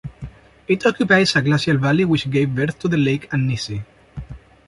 It occupies a glacial valley which gave birth to the Lake Annecy.